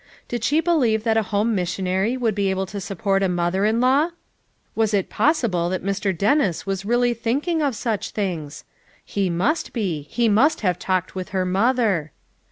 Did she believe that a home missionary would be able to support a mother in law? Was it possible that Mr. Dennis was really thinking of such things! he must be ; he must have talked with her mother